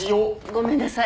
ごめんなさい。